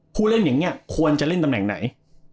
ผู้เล่นอย่างนี้ควรจะเล่นตำแหน่งไหน